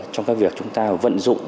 trong cái việc chúng ta vận dụng